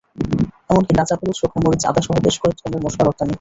এমনকি কাঁচা হলুদ, শুকনা মরিচ, আদাসহ বেশ কয়েক ধরনের মসলা রপ্তানি হয়।